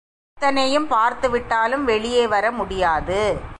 இத்தனையும் பார்த்து விட்டாலும் வெளியே வர முடியாது.